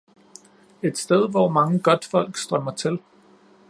et sted, hvor mange godtfolk strømmer til